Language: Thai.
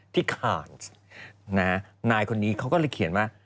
ที่ข่าวนะฮะนายคนนี้เขาก็เลยเขียนมา